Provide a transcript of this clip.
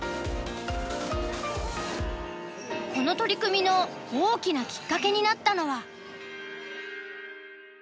この取り組みの大きなきっかけになったのは。